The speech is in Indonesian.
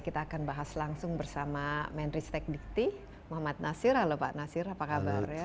kita akan bahas langsung bersama menteri stek dikti muhammad nasir halo pak nasir apa kabar ya